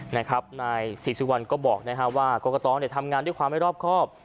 นาย๔๑ก็บอกว่ากรกตทำงานด้วยความไม่รอบครอบ